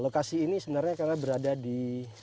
lokasi ini sebenarnya karena berada di tengah tengah